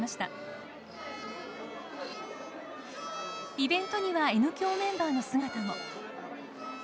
イベントにはＮ響メンバーの姿も。